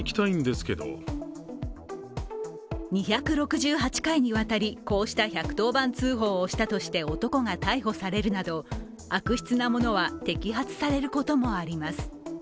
２６８回にわたり、こうした１１０番通報をしたとして男が逮捕されるなど悪質なものは摘発されることもあります。